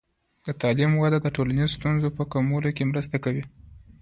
د تعلیم وده د ټولنیزو ستونزو په کمولو کې مرسته کوي.